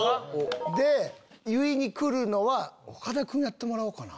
で言いに来るのは岡田君やってもらおうかな。